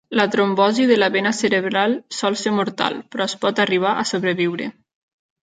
La trombosi de la vena cerebral sol ser mortal, però es pot arribar a sobreviure.